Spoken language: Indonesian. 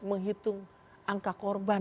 menghitung angka korban